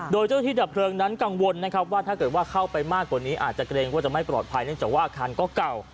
โดยเจ้าที่ดับเพลิงนั้นกังวลนะครับว่าถ้าเกิดว่าเข้าไปมากกว่านี้อาจจะเกรงว่าจะไม่ปลอดภัยเนื่องจากว่าอาคารก็เก่า